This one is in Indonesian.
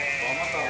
nanti kita menuju ke